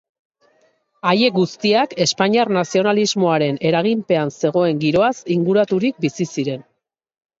Haiek guztiak espainiar nazionalismoaren eraginpean zegoen giroaz inguraturik bizi ziren.